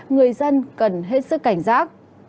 người dân cần hết sức cảnh giác